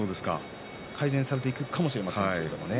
改善されていくかもしれませんね。